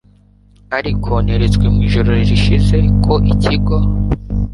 ariko neretswe mu ijoro rishize ko ikigo